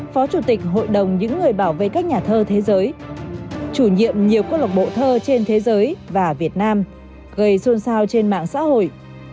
phó chủ tịch hội đồng những người bảo vệ các nhà thơ thế giới chủ nhiệm nhiều cơ lộc bộ thơ trên thế giới và việt nam gây xôn xao trên mạng xã hội